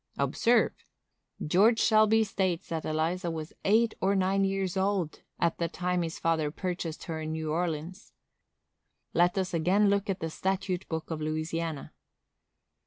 —Observe. George Shelby states that Eliza was eight or nine years old at the time his father purchased her in New Orleans. Let us again look at the statute book of Louisiana.